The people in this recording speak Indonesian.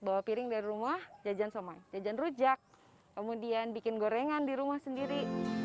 bawa piring dari rumah jajan somai jajan rujak kemudian bikin gorengan di rumah sendiri